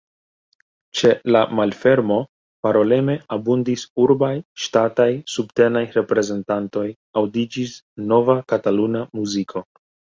Ĉe la malfermo paroleme abundis urbaj, ŝtataj, subtenaj reprezentantoj, aŭdiĝis nova kataluna muziko.